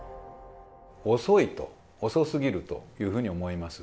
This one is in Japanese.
遅いと、遅すぎるというふうに思います。